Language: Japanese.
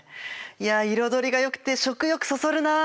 いや彩りがよくて食欲そそるなあ。